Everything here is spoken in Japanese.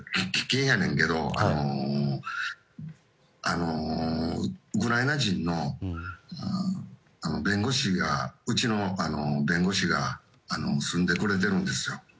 危険やねんけどウクライナ人の弁護士がうちの弁護士が住んでくれてるんですよ。